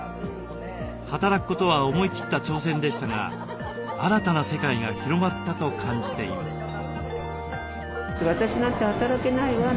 働くことは思い切った挑戦でしたが新たな世界が広がったと感じています。